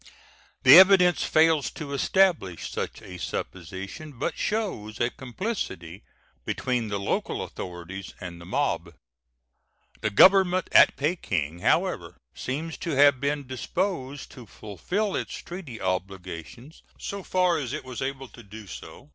The evidence fails to establish such a supposition, but shows a complicity between the local authorities and the mob. The Government at Peking, however, seems to have been disposed to fulfill its treaty obligations so far as it was able to do so.